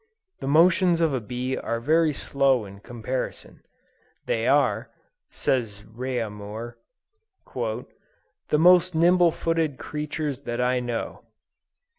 The motions of a bee are very slow in comparison. "They are," says Reaumur, "the most nimble footed creatures that I know."